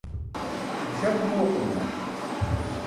Muśak mooquluma.